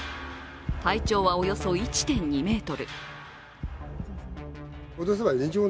体長はおよそ１．２ｍ。